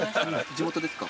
地元ですか？